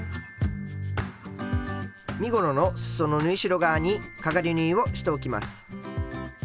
身ごろのすその縫い代側にかがり縫いをしておきます。